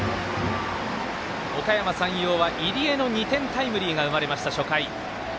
おかやま山陽入江の２点タイムリーが生まれました、初回。